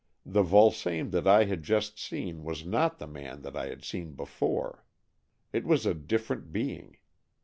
The Vulsame that I had just seen was not the man that I had seen before. It was a different being.